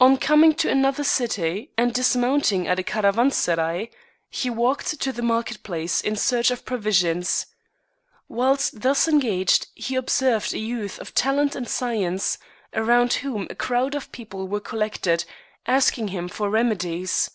On coming to another city and dismounting at a caravanserai, he walked to the market place in search of provisions. Whilst thus engaged, he observed a youth of talent and science, around whom a crowd of people were collected asking him for remedies.